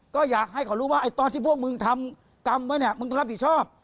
ก็อยากให้เขารู้ว่าไอ้ตอนที่พวกมึงทำกรรมไว้เนี่ยมึงต้องรับผิดชอบ